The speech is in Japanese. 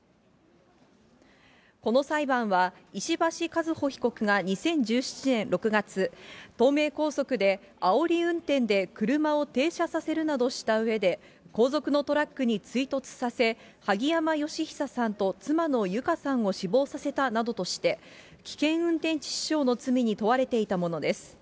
この裁判は、石橋和歩被告が２０１７年６月、東名高速であおり運転で車を停車させるなどしたうえで、後続のトラックに追突させ、萩山嘉久さんと妻の友香さんを死亡させたなどとして、危険運転致死傷の罪に問われていたものです。